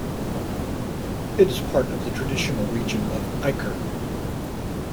It is part of the traditional region of Eiker.